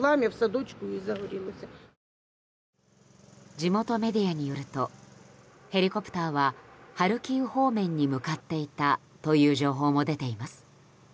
地元メディアによるとヘリコプターはハルキウ方面に向かっていたという情報も出ています。